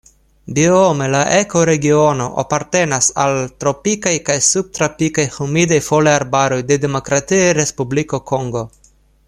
Biome la ekoregiono apartenas al tropikaj kaj subtropikaj humidaj foliarbaroj de Demokratia Respubliko Kongo.